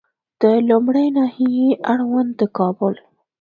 د لومړۍ ناحیې اړوند د کابل